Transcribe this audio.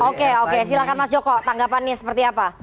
oke oke silahkan mas joko tanggapannya seperti apa